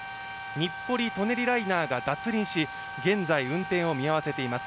日暮里・舎人ライナーが脱輪し、現在運転を見合わせています。